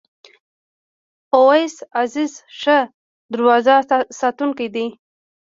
اویس عزیزی ښه دروازه ساتونکی دی.